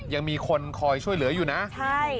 ยังมีคนคอยช่วยเหลืออยู่นะใช่